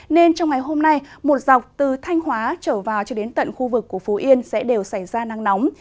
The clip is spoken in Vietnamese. nên trong ngày hôm nay một dọc từ thanh hóa trở vào cho đến tận khu vực của phú yên sẽ đều xảy ra nắng nóng